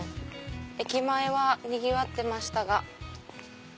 駅前はにぎわってましたが。